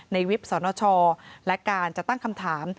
วิบสนชและการจะตั้งคำถาม